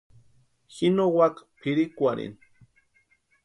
Ji no úaka pʼirhikwarhini.